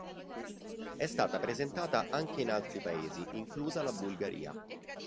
È stata presentata anche in altri paesi, inclusa la Bulgaria.